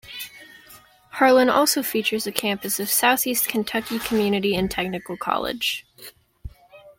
Harlan also features a campus of Southeast Kentucky Community and Technical College.